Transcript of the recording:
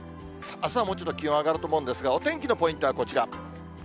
あすはもうちょっと気温上がるんですが、お天気のポイントはこちら。